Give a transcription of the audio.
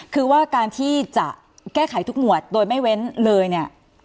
คือว่าการที่จะแก้ไขทุกหมวดโดยไม่เว้นเลยเนี่ย